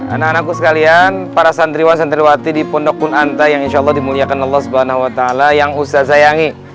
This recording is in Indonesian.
anak anakku sekalian para sandriwan sandriwati di pondok kunanta yang insya allah dimuliakan allah swt yang usah sayangi